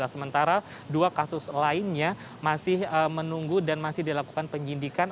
sementara dua kasus lainnya masih menunggu dan masih dilakukan penyidikan